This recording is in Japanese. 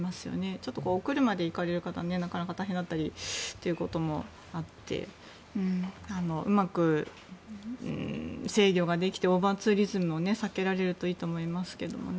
ちょっとお車で行かれる方はなかなか大変だったりということもあってうまく制御ができてオーバーツーリズムを避けられるといいと思いますけどね。